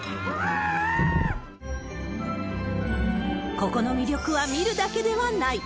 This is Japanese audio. ここの魅力は見るだけではない。